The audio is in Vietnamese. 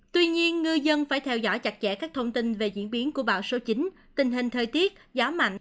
tuy nhiên ngư dân phải theo dõi chặt chẽ các thông tin về diễn biến của bão số chín tình hình thời tiết gió mạnh